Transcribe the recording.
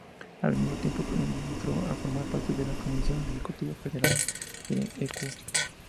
Al mismo tiempo entró a formar parte de la Comisión Ejecutiva Federal de Equo.